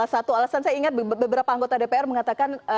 satu alasan saya ingat beberapa anggota dpr mengatakan